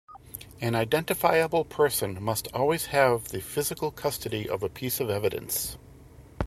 An identifiable person must always have the physical custody of a piece of evidence.